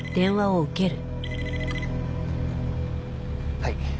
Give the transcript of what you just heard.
はい。